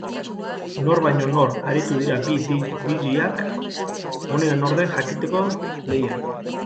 Nor baino nor aritu dira bi dj-ak onena nor den jakiteko lehian.